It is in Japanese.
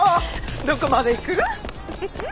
どこまで行く？